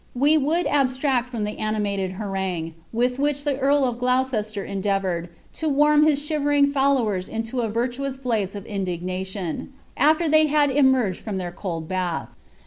we would abstiact from the animated harangue with which the earl of Gloucestsr endn *oure<I to warm his shivering followers into a virtuous blaze of iadign» tion. aAer ihey had emeiged from their cold bath.'